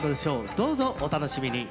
どうぞお楽しみに。